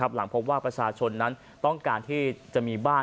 หลังพบว่าประชาชนนั้นต้องการที่จะมีบ้าน